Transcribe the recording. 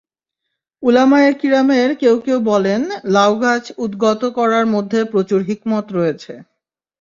উলামায়ে কিরামের কেউ কেউ বলেন, লাউগাছ উদগত করার মধ্যে প্রচুর হিকমত রয়েছে।